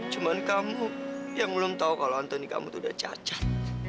cuma kamu yang belum tahu kalau antoni kamu tuh udah cacat